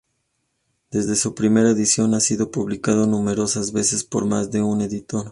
Desde su primera edición ha sido publicado numerosas veces por más de un editor.